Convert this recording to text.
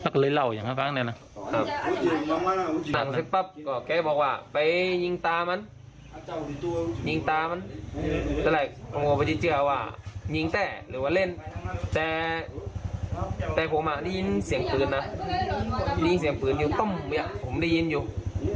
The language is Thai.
แก่เกาะหนังแกครับแก่เกาะหนัง